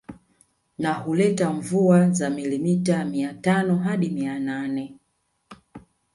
Na huleta mvua za milimita mia tano hadi mia nane